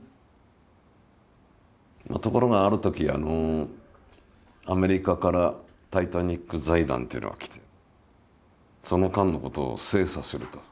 ところがあるときアメリカからタイタニック財団っていうのが来てその間のことを精査すると。